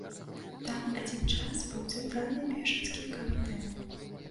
Там адзін час быў цэнтральны бежанскі камітэт.